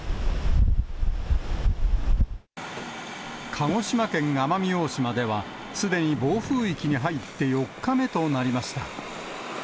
鹿児島県奄美大島では、すでに暴風域に入って４日目となりました。